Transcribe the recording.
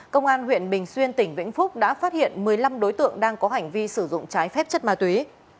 công an huyện bình xuyên tỉnh vĩnh phúc đã phát hiện một mươi năm đối tượng đang có hành vi sử dụng trái phép chất ma túy